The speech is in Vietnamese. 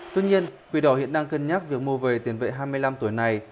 tuy nhiên quỹ đỏ hiện đang cân nhắc việc mua về tiền vệ hai mươi năm tuổi này